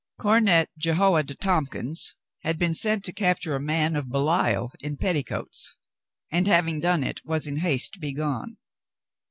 Cornet Jehoiada Tompkins had been sent to capture a man of Belial in petticoats, and, having done it, was in haste to be gone.